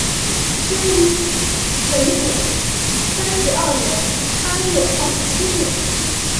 生于纯祖三十二年八月二十七日。